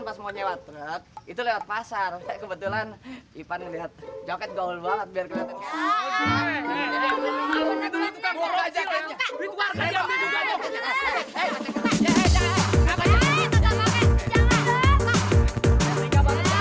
pas mau nyewat itu lewat pasar kebetulan ipan lihat joket gaul banget biar kelihatan